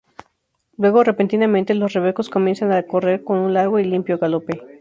Luego, repentinamente los rebecos comienzan a correr con un largo y limpio galope.